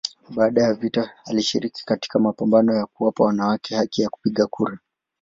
Baada ya vita alishiriki katika mapambano ya kuwapa wanawake haki ya kupiga kura.